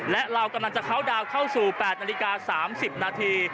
และเรากำลังจะเข้าดาวน์เข้าสู่๘นาฬิกา๓๐นาที